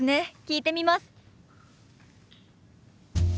聞いてみます。